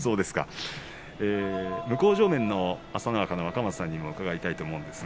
向正面の若松さんにも伺います。